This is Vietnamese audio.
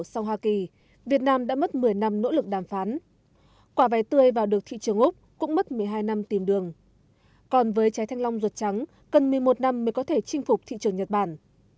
trong thời gian xuất khẩu sau hoa kỳ việt nam đã mất một mươi năm nỗ lực đàm phán quả vầy tươi vào được thị trường úc cũng mất một mươi hai năm tìm đường còn với trái thanh long ruột trắng cần một mươi một năm mới có thể chinh phục thị trường nhật bản